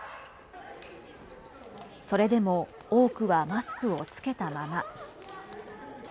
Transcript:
それでも多くはマスクを着けたまま。